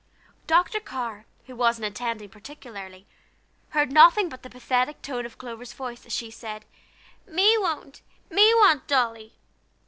Dr. Carr, who wasn't attending particularly, heard nothing but the pathetic tone of Clover's voice, as she said: "Me won't! Me want dolly!"